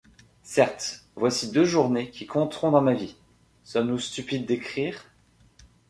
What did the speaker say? Certes, voici deux journées qui compteront dans ma vie! sommes-nous stupides d’écrire?...